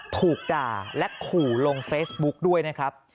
ถูกด่าและขู่ลงเฟซบุ๊กด้วยนะครับ